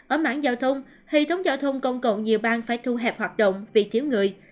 ở mảng giao thông hệ thống giao thông công cộng nhiều bang phải thu hẹp hoạt động vì thiếu người